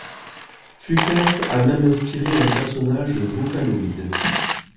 Fukase a même inspiré un personnage Vocaloid.